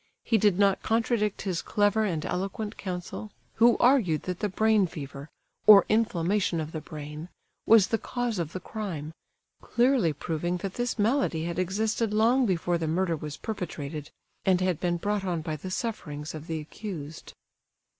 He did not contradict his clever and eloquent counsel, who argued that the brain fever, or inflammation of the brain, was the cause of the crime; clearly proving that this malady had existed long before the murder was perpetrated, and had been brought on by the sufferings of the accused.